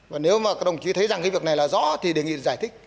và nếu mà các đồng chí thấy rằng cái việc này là rõ thì đề nghị giải thích